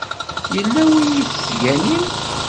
Yella win i tettganim?